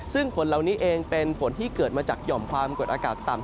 ซึ่งฝนเหล่านี้เองเป็นฝนที่เกิดมาจากหย่อมความกดอากาศต่ำ